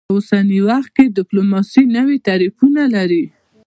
په اوسني وخت کې ډیپلوماسي نوي تعریفونه لري